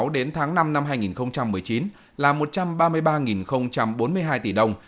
đến tháng năm năm hai nghìn một mươi chín là một trăm ba mươi ba bốn mươi hai tỷ đồng